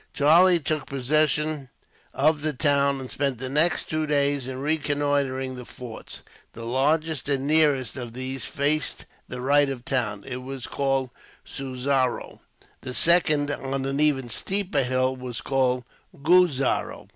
Charlie took possession of the town, and spent the next two days in reconnoitering the forts. The largest, and nearest, of these faced the right of the town. It was called Suzarow. The second, on an even steeper hill, was called Guzarow.